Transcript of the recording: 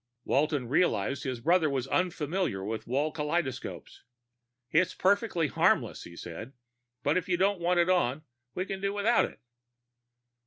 Walton realized his brother was unfamiliar with wall kaleidoscopes. "It's perfectly harmless," he said. "But if you don't want it on, we can do without it."